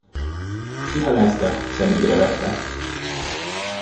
Kihalászta, szemügyre vette.